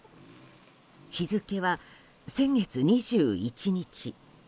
日付は先月２１日。